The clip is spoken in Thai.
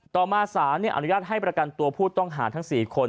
ต่อมาสารอนุญาตให้ประกันตัวผู้ต้องหาทั้ง๔คน